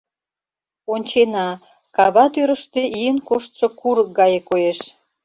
Ончена: кава тӱрыштӧ ийын коштшо курык гае коеш.